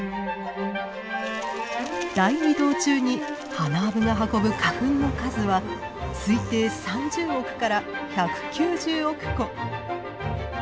大移動中にハナアブが運ぶ花粉の数は推定３０億から１９０億個。